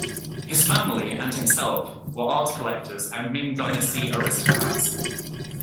His family, and himself, were art collectors and Ming dynasty aristocrats.